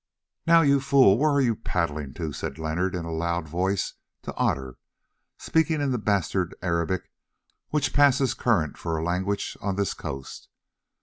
"Now, you fool, where are you paddling to?" said Leonard in a loud voice to Otter, speaking in the bastard Arabic which passes current for a language on this coast.